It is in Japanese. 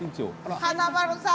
華丸さん！